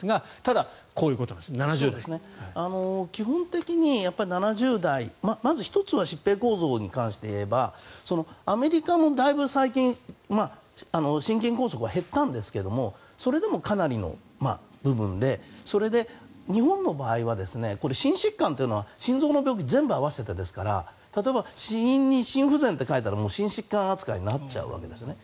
基本的に７０代まず１つは疾病構造に関して言えばアメリカも最近はだいぶ心筋梗塞は減ったんですがそれでもかなりの部分でそれで日本の場合は心疾患というのは心臓の病気全部合わせてですから例えば死因に心不全と書いてあったら心疾患扱いになっちゃうわけですね。